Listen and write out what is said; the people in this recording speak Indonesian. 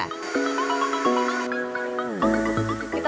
kue balok dronis mahkota